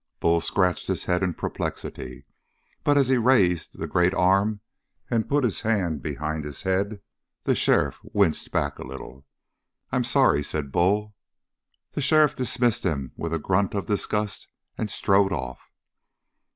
Bull scratched his head in perplexity. But as he raised the great arm and put his hand behind his head, the sheriff winced back a little. "I'm sorry," said Bull. The sheriff dismissed him with a grunt of disgust, and strode off.